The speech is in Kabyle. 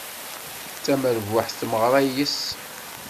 D tamerbuḥt tmeɣra yes-s.